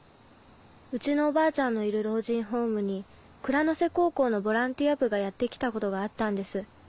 うちのおばあちゃんのいる老人ホームに倉野瀬高校のボランティア部がやって来たことがあったんです。